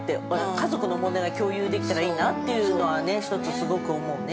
家族の問題が共有できたらいいなというのは、１つすごく思うね。